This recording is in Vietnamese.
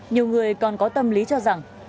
nhiều người còn có tâm lý cho rằng